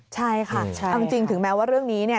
ใช่ค่ะเอาจริงถึงแม้ว่าเรื่องนี้เนี่ย